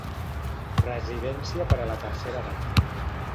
Residència per a la tercera edat.